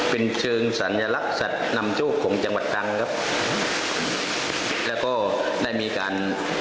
เป็นเชิงสัญลักษณ์สัตว์นำโชคของจังหวัดตรังครับแล้วก็ได้มีการ